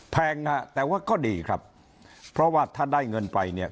แพงนะฮะแต่ว่าก็ดีครับเพราะว่าถ้าได้เงินไปเนี่ย